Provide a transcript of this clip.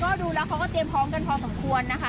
ก็ดูแล้วเขาก็เตรียมพร้อมกันพอสมควรนะคะ